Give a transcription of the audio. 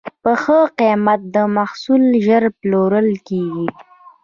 په ښه قیمت محصول ژر پلورل کېږي.